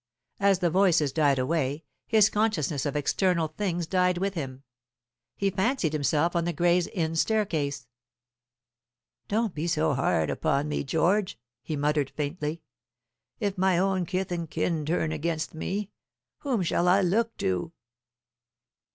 As the voices died away, his consciousness of external things died with him. He fancied himself on the Gray's Inn staircase. "Don't be so hard upon me, George," he muttered faintly. "If my own kith and kin turn against me, whom shall I look to?"